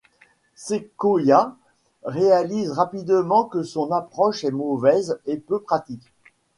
Sequoyah réalise rapidement que son approche est mauvaise et peu pratique.